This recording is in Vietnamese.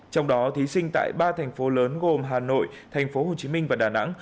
trong đó thí sinh tại ba thành phố lớn gồm hà nội tp hcm và đà nẵng